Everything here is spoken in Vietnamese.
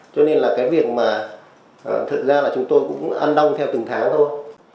cho nên là cái việc mà thực ra là chúng tôi cũng ăn đông theo từng tháng thôi